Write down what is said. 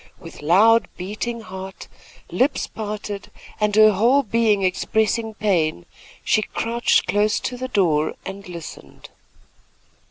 With loud beating heart, lips parted and her whole being expressing pain, she crouched close to the door and listened.